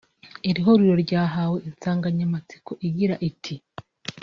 Iri huriro ryahawe insanganyamatsiko igira iti